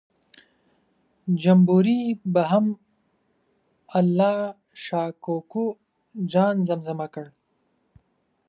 جمبوري به هم الله شا کوکو جان زمزمه کړ.